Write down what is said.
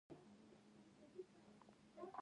افغانستان د ستوني غرونه د ترویج لپاره پروګرامونه لري.